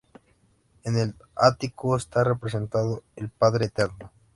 En el ático está representado el Padre Eterno.